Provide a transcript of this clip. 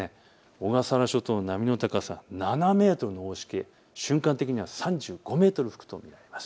小笠原諸島の波の高さ７メートルの大しけ、瞬間的には３５メートルになると思います。